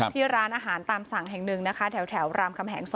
ที่ร้านอาหารตามสั่งแห่งหนึ่งนะคะแถวรามคำแหง๒